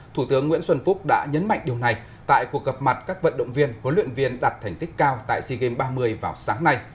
thủ tướng nguyễn xuân phúc đã nhấn mạnh điều này tại cuộc gặp mặt các vận động viên huấn luyện viên đạt thành tích cao tại sea games ba mươi vào sáng nay